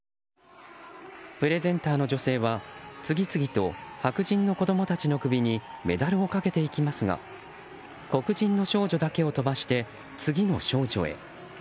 プレゼンターの女性は次々と白人の子供たちの首にメダルをかけていきますが黒人の少女だけを飛ばして次の少女へ。